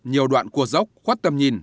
nhiều đoạn cua rốc khuất tầm nhìn